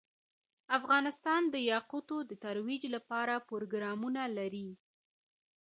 افغانستان د یاقوت د ترویج لپاره پروګرامونه لري.